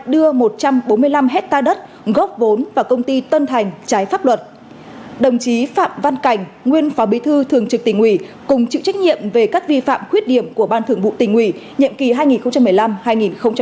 đồng chí trần văn nam ủy viên trung ương đảng bí thư thường trực tỉnh ủy cùng chịu trách nhiệm về các vi phạm khuyết điểm của ban thưởng vụ tỉnh ủy nhiệm kỳ hai nghìn một mươi năm hai nghìn hai mươi